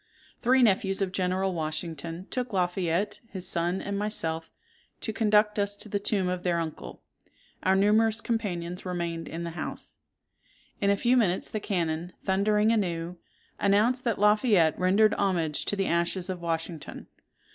"Three nephews of General Washington took Lafayette, his son, and myself, to conduct us to the tomb of their uncle: our numerous companions remained in the house. In a few minutes the cannon, thundering anew, announced that Lafayette rendered homage to the ashes of Washington.